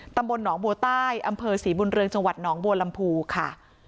ตำบลหนองบัวใต้อำเภอศรีบุญเรืองจังหวัดหนองบัวลำพูค่ะ